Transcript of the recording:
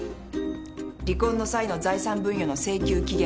離婚の際の財産分与の請求期限は２年。